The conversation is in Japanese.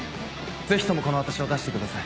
ぜひともこの私を出してください。